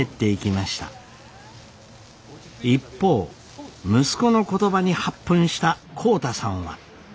一方息子の言葉に発奮した浩太さんは。